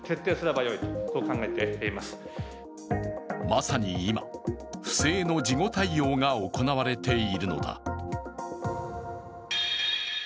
まさに今、不正の事後対応が行われているのだ。